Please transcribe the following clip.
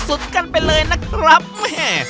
อร่อยสุดกันไปเลยนะครับแม่